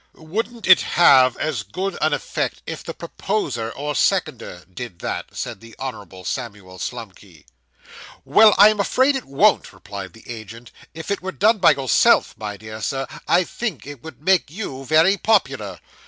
'Wouldn't it have as good an effect if the proposer or seconder did that?' said the Honourable Samuel Slumkey. 'Why, I am afraid it wouldn't,' replied the agent; 'if it were done by yourself, my dear Sir, I think it would make you very popular.